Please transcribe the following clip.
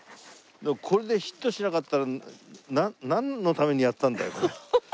これでヒットしなかったらなんのためにやったんだよだよ。ハハハ！